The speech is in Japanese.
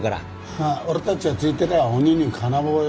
ああ俺たちがついてりゃ鬼に金棒よ。